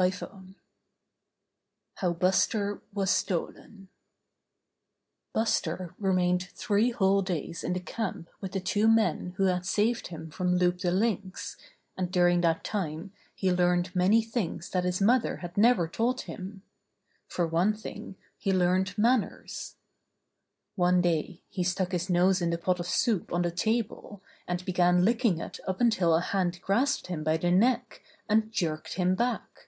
STORY V How Buster Was Stolen Buster remained three whole days in the camp with the two men who had saved him from Loup the Lynx, and during that time he learned many things that his mother had never taught him. For one thing he learned man ners. One day he stuck his nose in the pot of soup on the table and began licking it up until a hand grasped him by the neck, and jerked him back.